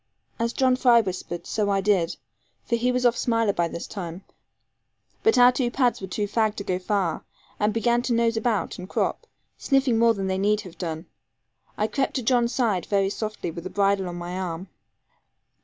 As John Fry whispered, so I did, for he was off Smiler by this time; but our two pads were too fagged to go far, and began to nose about and crop, sniffing more than they need have done. I crept to John's side very softly, with the bridle on my arm.